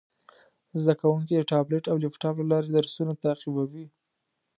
زده کوونکي د ټابلیټ او لپټاپ له لارې درسونه تعقیبوي.